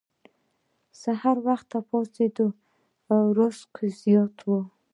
سحر وختي پاڅیدل رزق زیاتوي.